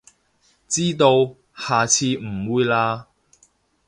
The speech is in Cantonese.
知道，下次唔會喇